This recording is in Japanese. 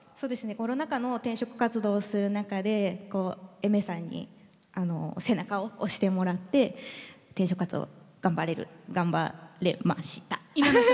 コロナ禍の転職活動する中でＡｉｍｅｒさんに背中を押してもらって転職活動を頑張れました。